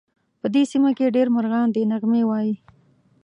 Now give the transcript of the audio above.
په دې سیمه کې ډېر مرغان دي نغمې وایې